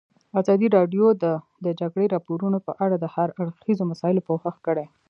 ازادي راډیو د د جګړې راپورونه په اړه د هر اړخیزو مسایلو پوښښ کړی.